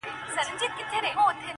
گوره خندا مه كوه مړ به مي كړې،